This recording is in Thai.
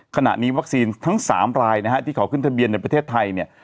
ขณะนี้วัคซีนทั้ง๓รายนะฮะที่เขาขึ้นทะเบียนในประเทศไทยเนี่ย